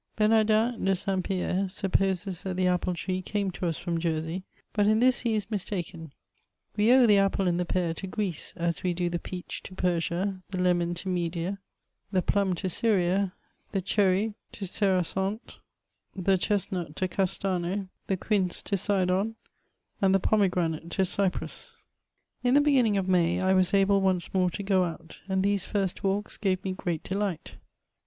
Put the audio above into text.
Bemardin de St. Pierre supposes that the apple tree came to us from Jersey ; but in this he is mistaken ; we owe the apple and the pear to Greece, as we do the peach to Persia, the lemon to Media, the pkim to Syria, the^ cherry to Cerasonte, the chesnut to Castano, the quince to Sidon, and the pomegranate to Cyprus. In the beginning of May I was able once more to go out, and these first walks gave me great delight.